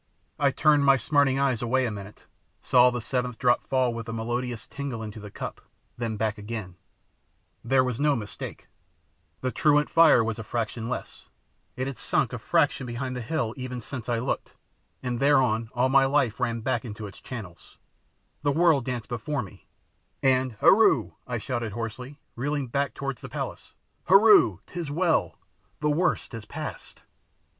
I turned my smarting eyes away a minute, saw the seventh drop fall with a melodious tingle into the cup, then back again, there was no mistake the truant fire was a fraction less, it had shrunk a fraction behind the hill even since I looked, and thereon all my life ran back into its channels, the world danced before me, and "Heru!" I shouted hoarsely, reeling back towards the palace, "Heru, 'tis well; the worst is past!"